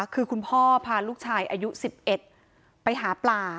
คือคุณพ่อพาลูกชายอายุ๑๑ไปหาปลา